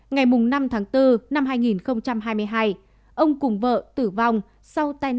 ngày năm tháng bốn năm hai nghìn hai mươi hai ông cùng vợ tử vong sau tai nạn giao thông khi điều khiển xe ô tô cán